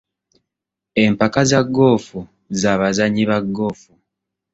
Empaka za goofu za bazannyi ba goofu.